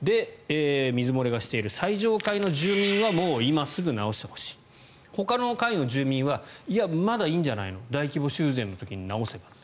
水漏れがしている最上階の住民は今すぐに修繕してほしいほかの階の住民はいや、まだいいんじゃないの大規模修繕の時に直せばと。